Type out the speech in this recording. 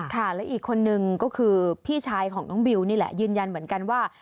และอีกคนนึงก็คือพี่ชายของน้องบิวนี่แหละยืนยันเหมือนกันว่า